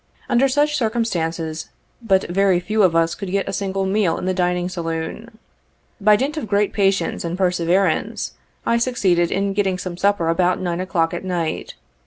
Under such circumstances, but very few of us could get a single meal in the dining saloon. By dint of great patience and perse verance, I succeeded in getting some supper about nine o'clock at night.